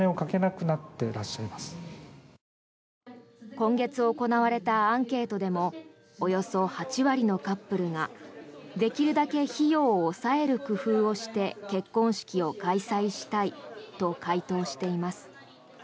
今月行われたアンケートでもおよそ８割のカップルができるだけ費用を抑える工夫をして結婚式を開催したいと回答しています。